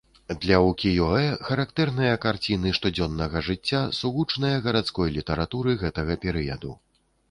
Для укіё-э характэрныя карціны штодзённага жыцця, сугучныя гарадской літаратуры гэтага перыяду.